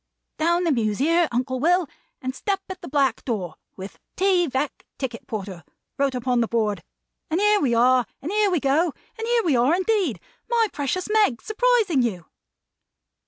"Down the Mews here, Uncle Will, and step at the black door, with 'T. Veck, Ticket Porter,' wrote upon a board; and here we are, and here we go, and here we are indeed, my precious Meg, surprising you!"